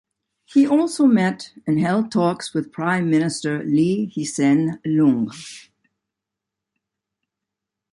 He also met and held talks with Prime Minister Lee Hsien Loong.